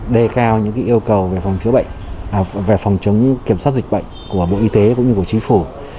đề cao những yêu cầu về phòng chữa bệnh về phòng chống kiểm soát dịch bệnh của bộ y tế cũng như của chính phủ